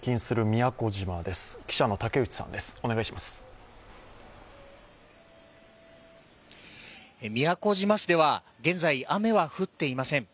宮古島市では現在、雨は降っていません。